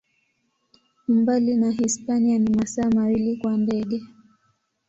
Umbali na Hispania ni masaa mawili kwa ndege.